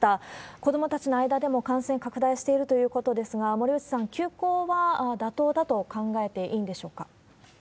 子どもたちの間でも感染拡大しているということですが、森内さん、休校は妥当だと考えていいんでしょうか？